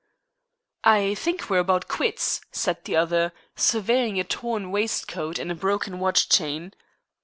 "I think we're about quits," said the other, surveying a torn waistcoat and broken watch chain.